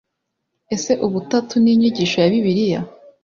ese ubutatu ni inyigisho ya bibiliya?